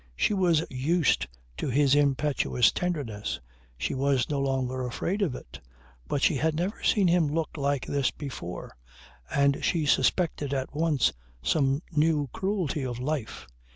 She was used to his impetuous tenderness. She was no longer afraid of it. But she had never seen him look like this before, and she suspected at once some new cruelty of life.